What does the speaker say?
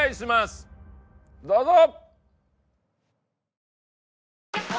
どうぞ！